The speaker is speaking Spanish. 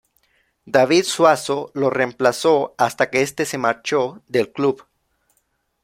David Suazo lo reemplazó hasta que este se marchó del club.